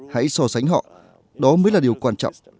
hãy so sánh họ đó mới là điều quan trọng